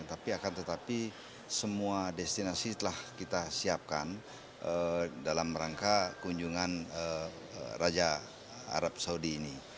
tapi akan tetapi semua destinasi telah kita siapkan dalam rangka kunjungan raja arab saudi ini